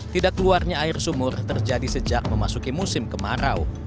tidak keluarnya air sumur terjadi sejak memasuki musim kemarau